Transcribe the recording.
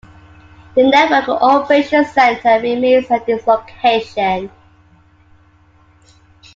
The network operations center remains at this location.